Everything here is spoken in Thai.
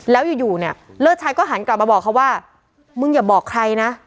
แล้วอยู่เนี่ยเลิศชัยก็หันกลับมาบอกเขาว่ามึงอย่าบอกใครนะ